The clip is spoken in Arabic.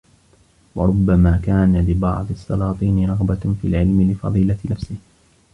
وَرُبَّمَا كَانَ لِبَعْضِ السَّلَاطِينِ رَغْبَةٌ فِي الْعِلْمِ لِفَضِيلَةِ نَفْسِهِ